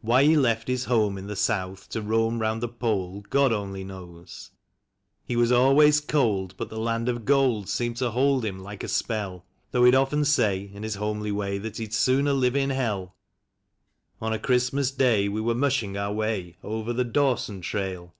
Why he left his home in the South to roam round the Pole God only knows. He was always cold, but the land of gold seemed to hold him like a spell; Though he'd often say in his homely way that "he'd sooner live in hell." 36 THE CREMATION OF SAM McGEE. On a Christmas Day we were mushing our way over the Dawson trail.